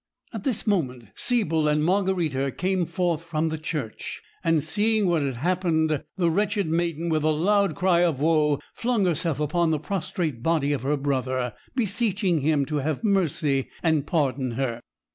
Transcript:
At this moment, Siebel and Margarita came forth from the church; and seeing what had happened, the wretched maiden, with a loud cry of woe, flung herself upon the prostrate body of her brother, beseeching him to have mercy, and pardon her.